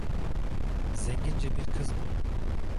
Zengince bir kız bul…